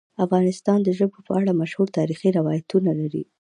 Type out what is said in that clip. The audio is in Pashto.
افغانستان د ژبو په اړه مشهور تاریخی روایتونه لري.